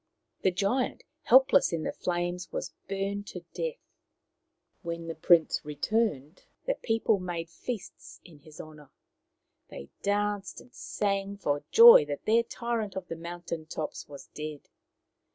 The giant, helpless in the flames, was burned to death. When the prince returned the people mada The Princess and the Giant 2 37 feasts in his honour. They danced and sang for joy that their tyrant of the mountain tops was dead.